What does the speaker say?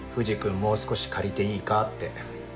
もう少し借りていいかって。